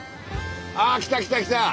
あっ来た来た来た！